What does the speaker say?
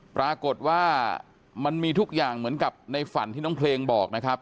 ปรากฏว่ามันมีทุกอย่างเหมือนกับในฝันที่น้องเพลงบอกนะครับ